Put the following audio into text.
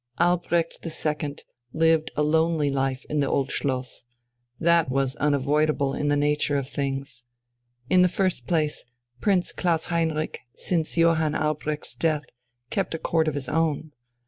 Albrecht II lived a lonely life in the Old Schloss; that was unavoidable in the nature of things. In the first place, Prince Klaus Heinrich, since Johann Albrecht's death, kept a Court of his own.